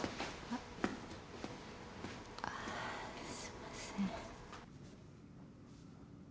ああすんません。